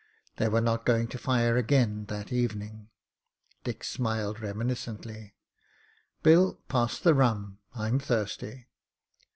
They were not going to fire again that evening." Dick smiled • reminiscently. ''Bill, pass the rum. I'm thirsty."